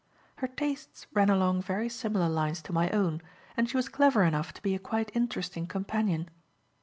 Her tastes ran along very similar lines to my own, and she was clever enough to be a quite interesting companion.